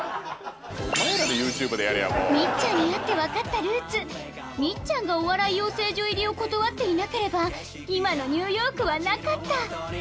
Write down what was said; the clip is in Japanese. みっちゃんに会ってわかったルーツみっちゃんがお笑い養成所入りを断っていなければ今のニューヨークはなかった！